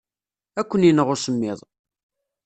Ad ken-ineɣ usemmiḍ.